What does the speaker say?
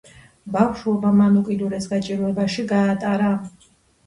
ბავშვობა მან უკიდურეს გაჭირვებაში გაატარა.